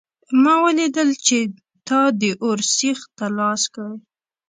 ما ولیدل چې تا د اور سیخ ته لاس کړ